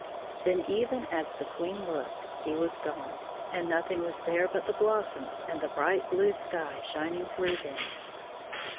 Then, even as the Queen looked, he was gone, and nothing was there but the blossoms and the bright blue sky shining through them.